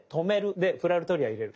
でプラルトリラー入れる。